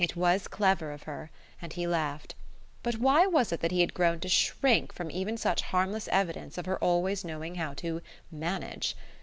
It was clever of her, and he laughed. But why was it that he had grown to shrink from even such harmless evidence of her always knowing how to "manage"?